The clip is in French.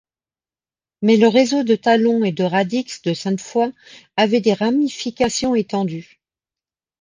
Mais le réseau de Talon et de Radix de Sainte-Foix avait des ramifications étendues.